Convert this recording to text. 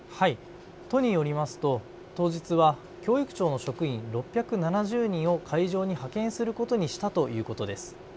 都によりますと当日は教育庁の職員６７０人を会場に派遣することにしたということです。